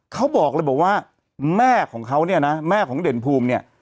เขาบอกเลยบอกว่าแม่ของเขาเนี่ยนะแม่ของเด่นภูมิเนี่ย